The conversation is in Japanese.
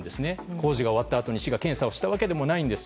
工事が終わったあとに市が検査をしたわけでもないんです。